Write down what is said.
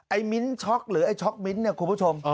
มิ้นท์ช็อกหรือไอ้ช็อกมิ้นท์เนี่ยคุณผู้ชม